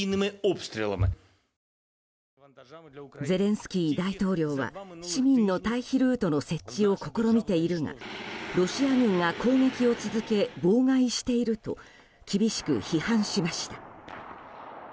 ゼレンスキー大統領は、市民の退避ルートの設置を試みているがロシア軍が攻撃を続け妨害していると厳しく批判しました。